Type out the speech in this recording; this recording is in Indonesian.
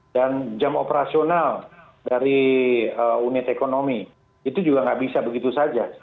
dan jam operasional dari unit ekonomi itu juga tidak bisa begitu saja